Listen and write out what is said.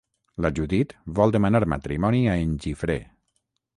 La Judit vol demanar matrimoni a en Gifré.